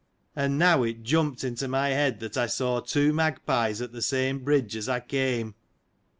And now it jumped into my head, that I saw two magpies at the same bridge as I came.